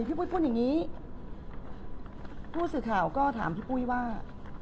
ปุ้ยพูดอย่างนี้ผู้สื่อข่าวก็ถามพี่ปุ้ยว่า